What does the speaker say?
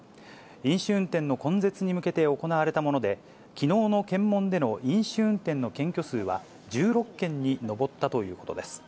飲酒運転の根絶に向けて行われたもので、きのうの検問での飲酒運転の検挙数は１６件に上ったということです。